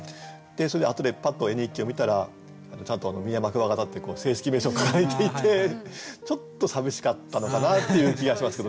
それであとでパッと絵日記を見たらちゃんと「ミヤマクワガタ」って正式名称書いていてちょっと寂しかったのかなっていう気がしますけどね。